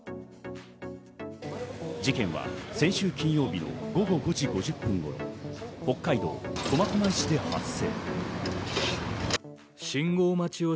事件は先週金曜日の午後５時５０分頃、北海道苫小牧市で発生。